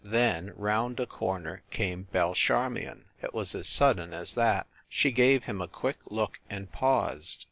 Then, round a corner came Belle Charmion! It was as sudden as that. She gave him a quick look and paused.